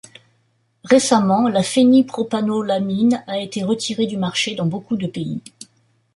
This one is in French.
Récemment, la phénylpropanolamine a été retirée du marché dans beaucoup de pays.